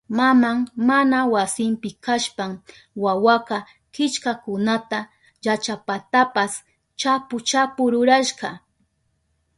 Maman mana wasinpi kashpan wawaka killkakunata llachapatapas chapu chapu rurashka.